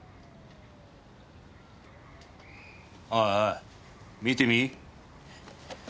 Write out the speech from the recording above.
おいおい見てみぃ。